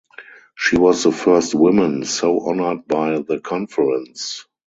She was the first woman so honored by the conference.